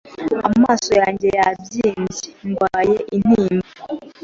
Amaso yanjye yabyimbye ndwaye intimba